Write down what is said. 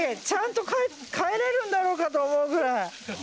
ちゃんと帰れるんだろうかと思うくらい。